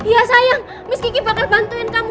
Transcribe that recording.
ya sayang miss kiki bakal bantuin kamu